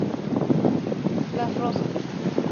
Las Rozas.